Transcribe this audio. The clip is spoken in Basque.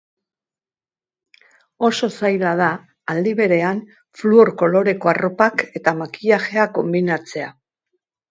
Oso zaila da aldi berean fluor koloreko arropak eta makillajea konbinatzea.